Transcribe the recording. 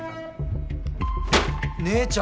姉ちゃん。